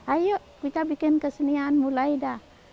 ayo kita bikin kesenian mulai dah